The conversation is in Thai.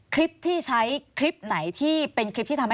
คลิปที่ใช้คลิปไหนที่เป็นคลิปที่ทำให้